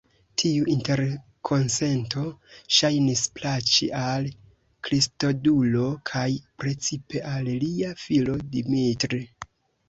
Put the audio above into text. Tiu interkonsento ŝajnis plaĉi al Kristodulo, kaj precipe al lia filo Dimitri.